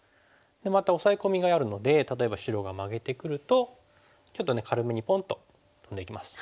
でまたオサエ込みがあるので例えば白がマゲてくるとちょっとね軽めにポンとトンでいきます。